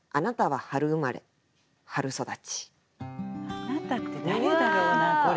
「あなた」って誰だろうなこれ。